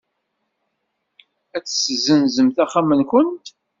Ad tessenzemt axxam-nwent.